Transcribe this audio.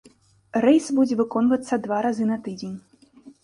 Рэйс будзе выконвацца два разы на тыдзень.